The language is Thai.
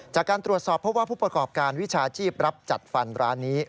จากการตรวจสอบเพราะว่าผู้ประกอบการวิชาชีพรับจัดฟันร้านนี้